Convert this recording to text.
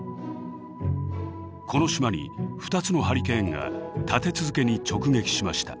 この島に２つのハリケーンが立て続けに直撃しました。